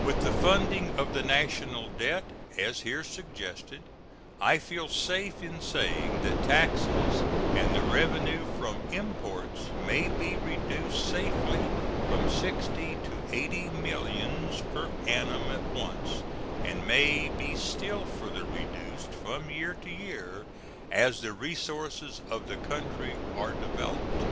With the funding of the national debt, as here suggested, I feel safe in saying that taxes and the revenue from imports may be reduced safely from sixty to eighty millions per annum at once, and may be still further reduced from year to year, as the resources of the country are developed.